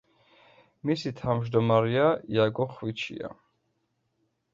მისი თავმჯდომარეა იაგო ხვიჩია.